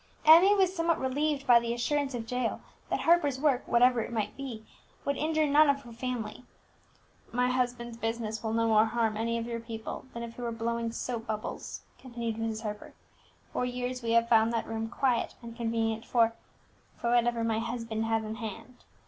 Emmie was somewhat relieved by the assurance of Jael that Harper's work, whatever it might be, would injure none of her family. "My husband's business will no more harm any of your people than if he were blowing soap bubbles," continued Mrs. Harper. "For years we have found that room quiet and convenient for for whatever my husband has in hand.